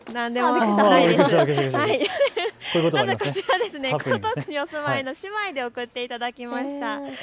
まずこちら、江東区にお住まいの姉妹で送っていただきました